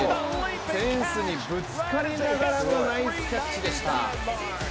フェンスにぶつかりながらのナイスキャッチでした。